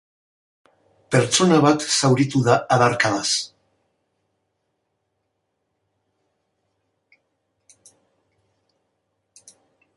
Pertsona bat zauritu da adarkadaz.